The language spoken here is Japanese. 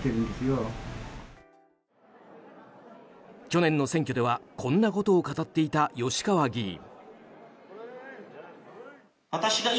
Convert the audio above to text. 去年の選挙ではこんなことを語っていた吉川議員。